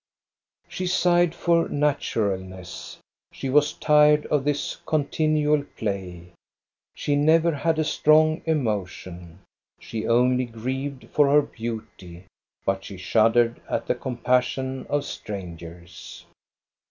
She sighed for naturalness. She was tired of this continual play. She never had a strong emotion. She only grieved for her beauty, but she shuddered at the compassion of strangers.